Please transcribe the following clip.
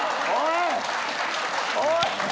おい！